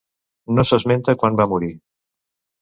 No s'esmenta quan va morir.